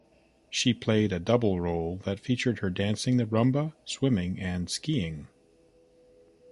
She played a "double" role that featured her dancing the rumba, swimming, and skiing.